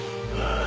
ああ。